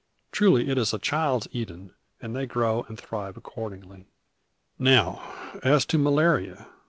Truly it is a child's Eden; and they grow and thrive accordingly. Now as to malaria.